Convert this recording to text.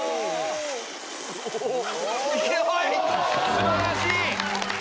素晴らしい！